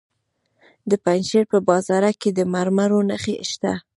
د پنجشیر په بازارک کې د مرمرو نښې شته.